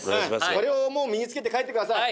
これを身につけて帰ってください